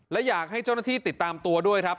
และอยากให้เจ้าหน้าที่ติดตามตัวด้วยครับ